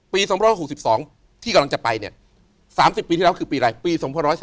ปี๒๖๖๒ที่กำลังจะไปปี๓๐ปีที่แล้วคือปีไปปี๑๒๓๒